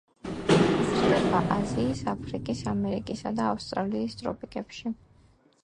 იზრდება აზიის, აფრიკის, ამერიკისა და ავსტრალიის ტროპიკებში.